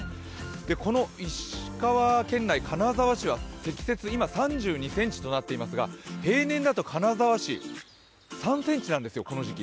この石川県内金沢市は今、積雪今３２ｃｍとなっていますが、平均ですと金沢市３ｃｍなんですよ、この時期。